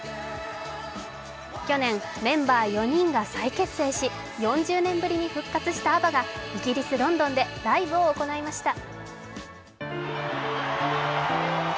去年、メンバー４人が再結成し４０年ぶりに復活したＡＢＢＡがイギリス・ロンドンでライブを行いました。